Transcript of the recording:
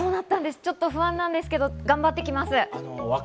ちょっと不安なんですけど頑張ってきます。